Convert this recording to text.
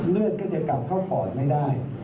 เลือดก็จะกลับเข้าปอดไม่ได้